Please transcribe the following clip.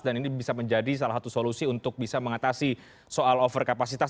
dan ini bisa menjadi salah satu solusi untuk bisa mengatasi soal overkapasitas